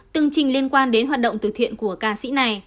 tương trình liên quan đến hoạt động từ thiện của ca sĩ này